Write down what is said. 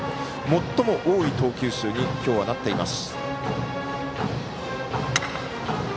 最も多い投球数に今日はなっています。